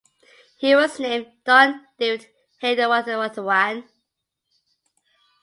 He was named Don David Hewavitharane.